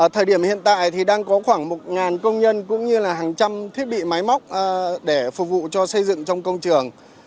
thời điểm hiện tại thì đang có khoảng một công nhân cũng như là hàng trăm thiết bị máy móc để phục vụ cho xây dựng trong công trường